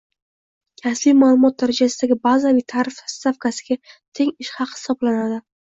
kasbiy ma’lumot darajasidagi bazaviy tarif stavkasiga teng ish haqi hisoblanadi.